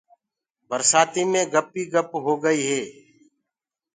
برسآتيٚ مي گپ ئيٚ گپ هوگي هي۔